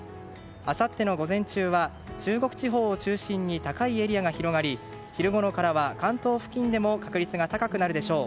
あさっての午前中は中国地方を中心に高いエリアが広がり昼ごろからは関東付近でも確率が高くなるでしょう。